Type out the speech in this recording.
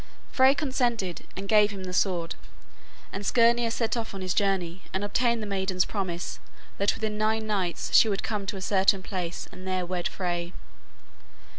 Frey consented and gave him the sword, and Skirnir set off on his journey and obtained the maiden's promise that within nine nights she would come to a certain place and there wed Frey.